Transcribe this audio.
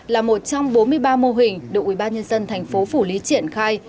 là một trong bốn mươi ba mô hình được ubnd tp phủ lý triển khai